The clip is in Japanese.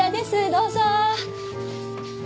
どうぞ。